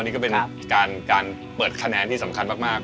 นี่ก็เป็นการเปิดคะแนนที่สำคัญมาก